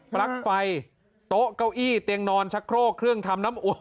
ปลั๊กไฟโต๊ะเก้าอี้เตียงนอนชักโครกเครื่องทำน้ำอุ่น